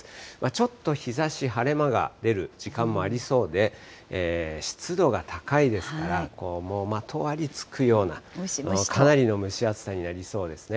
ちょっと日ざし、晴れ間が出る時間もありそうで、湿度が高いですから、まとわりつくようなかなりの蒸し暑さになりそうですね。